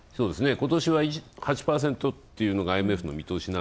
今年は８％がＩＭＦの見通し。